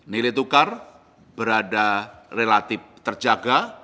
nilai tukar berada relatif terjaga